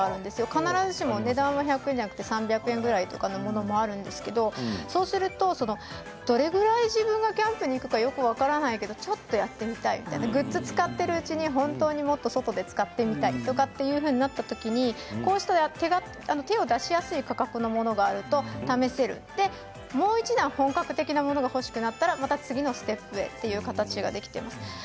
必ずしも値段は１００円ではなくて３００円ぐらいのものもあるんですけど、そうするとどれぐらい自分がキャンプに行くかよく分からないけどちょっとやってみたいグッズを使っているうちに本当に外で使ってみたいというふうになったときに手を出しやすい価格のものがあると試せるもう一段、本格的なものが欲しくなったら、また次のステップへという形になります。